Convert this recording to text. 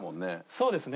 そうですね。